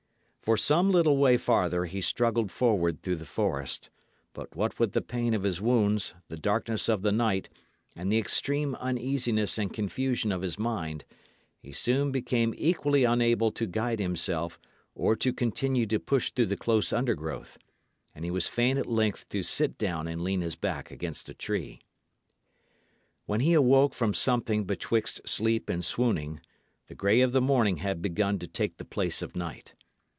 For some little way farther he struggled forward through the forest; but what with the pain of his wounds, the darkness of the night, and the extreme uneasiness and confusion of his mind, he soon became equally unable to guide himself or to continue to push through the close undergrowth, and he was fain at length to sit down and lean his back against a tree. When he awoke from something betwixt sleep and swooning, the grey of the morning had begun to take the place of night.